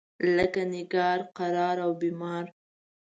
لکه نګار، قرار او بیمار.